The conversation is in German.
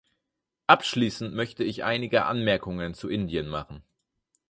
Abschließend möchte ich einige Anmerkungen zu Indien machen.